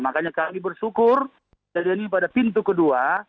makanya kami bersyukur kejadian ini pada pintu kedua